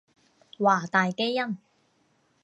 華大基因